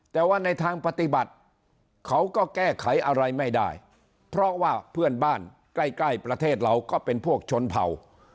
แต่ว่าในทางปฏิบัติเขาก็แก้ไขอะไรไม่ได้เพราะว่าเพื่อนบ้านใกล้ใกล้ประเทศเราก็เป็นพวกชนเผ่า